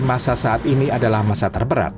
masa saat ini adalah masa terberat